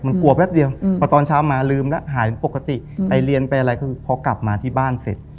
มันกลัวแป๊บเดียวพอตอนเช้ามาลืมแล้วหายปกติไปเรียนไปอะไรคือพอกลับมาที่บ้านเสร็จ